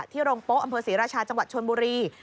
โรงโป๊อำเภอศรีราชาจังหวัดชนบุรี